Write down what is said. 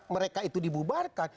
mereka itu dibubarkan